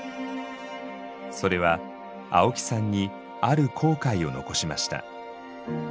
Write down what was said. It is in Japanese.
それは青木さんにある後悔を残しました。